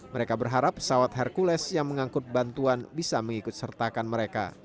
mereka berharap pesawat hercules yang mengangkut bantuan bisa mengikut sertakan mereka